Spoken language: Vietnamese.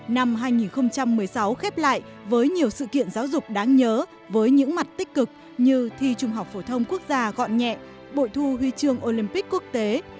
năm hai nghìn một mươi sáu khép lại với nhiều sự kiện giáo dục đáng nhớ với những mặt tích cực như thi trung học phổ thông quốc gia gọn nhẹ bội thu huy chương olympic quốc tế